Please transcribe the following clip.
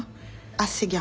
アセギャ。